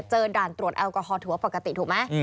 ด่านตรวจแอลกอฮอลถือว่าปกติถูกไหม